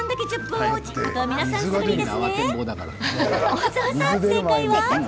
大澤さん、正解は？